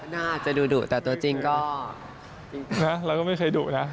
น่าจะดุแต่ตัวจริงก็เราก็ไม่เคยดุนะ